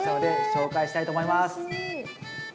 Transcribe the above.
紹介したいと思います。